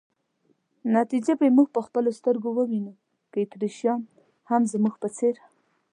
نتیجه به یې موږ په خپلو سترګو وینو، که اتریشیان هم زموږ په څېر.